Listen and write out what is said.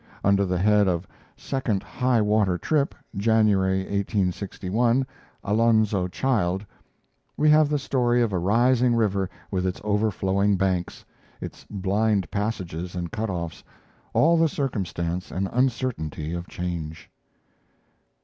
Under the head of "2d high water trip Jan., 1861 Alonzo Child," we have the story of a rising river with its overflowing banks, its blind passages and cut offs all the circumstance and uncertainty of change.